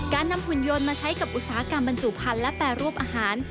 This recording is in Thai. การนำหุ่นยนต์มาใช้กับอุตสาหกรรมบรรจุพันธุ์และแปรรูปอาหาร